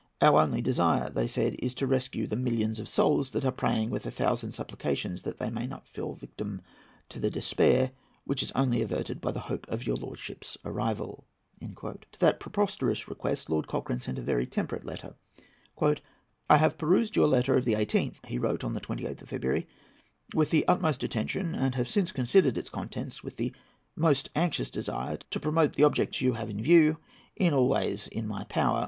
"Our only desire." they said, "is to rescue the millions of souls that are praying with a thousand supplications that they may not fall victims to the despair which is only averted by the hope of your lordship's arrival." To that preposterous request Lord Cochrane made a very temperate answer. "I have perused your letter of the 18th," he wrote on the 28th of February, "with the utmost attention, and have since considered its contents with the most anxious desire to promote the objects you have in view in all ways in my power.